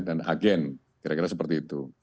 dan agen kira kira seperti itu